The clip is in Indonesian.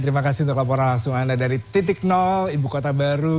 terima kasih untuk laporan langsung anda dari titik nol ibu kota baru